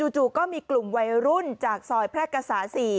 จู่ก็มีกลุ่มวัยรุ่นจากซอยแพร่กษา๔